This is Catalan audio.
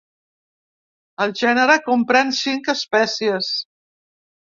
El gènere comprèn cinc espècies.